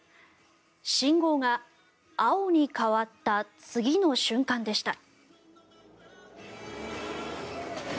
信号が青に変わった次の瞬間でした。